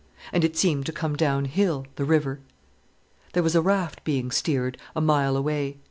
And it seemed to come downhill, the river. There was a raft being steered, a mile away.